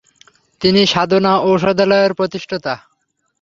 তিনি সাধনা ঔষধালয়ের প্রতিষ্ঠাতা।